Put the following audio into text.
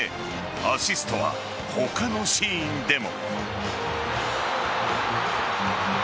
アシストは他のシーンでも。